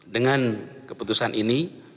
dengan keputusan ini